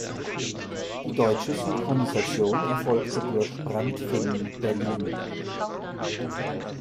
Die deutsche Synchronisation erfolgte durch brandt Film Berlin.